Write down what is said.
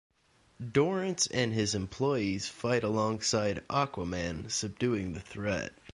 Dorrance and his employees fight alongside Aquaman, subduing the threat.